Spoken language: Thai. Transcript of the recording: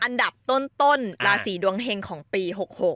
อันดับต้นราศีดวงเฮงของปี๖๖